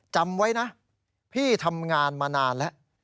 จำไว้นะพี่ทำงานมานานแล้ว